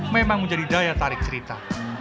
memang menjadi daya tarik cerita